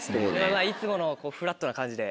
いつものフラットな感じで。